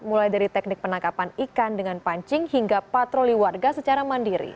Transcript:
mulai dari teknik penangkapan ikan dengan pancing hingga patroli warga secara mandiri